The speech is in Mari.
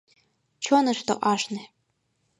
Чонышто ашне.